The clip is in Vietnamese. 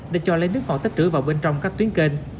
đã cho lấy nước ngọt tích trữ vào bên trong các tuyến kênh